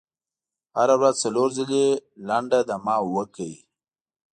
هره ورځ څلور ځلې لنډه دمه وکړئ.